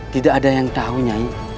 tidak ada yang tau nyai